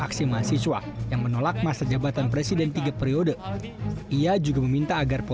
kedatangan adik armando yang selama ini beredar ada yang bilang